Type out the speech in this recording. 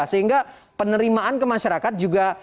sehingga penerimaan ke masyarakat juga